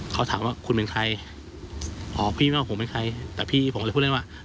เขาถามว่าคุณเป็นใครอ๋อพี่ว่าผมเป็นใครแต่พี่ผมก็เลยพูดเล่นว่า